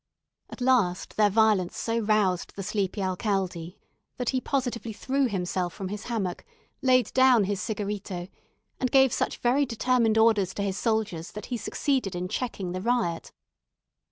At last their violence so roused the sleepy alcalde, that he positively threw himself from his hammock, laid down his cigarito, and gave such very determined orders to his soldiers that he succeeded in checking the riot.